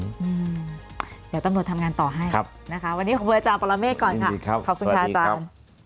เดี๋ยวตำรวจทำงานต่อให้นะคะวันนี้ขอบคุณอาจารย์ปรเมฆก่อนค่ะขอบคุณค่ะอาจารย์